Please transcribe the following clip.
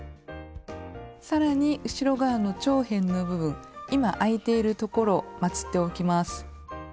さらに後ろ側の長辺の部分今開いているところをまつっておきます。